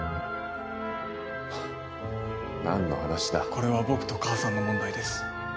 これは僕と母さんの問題です。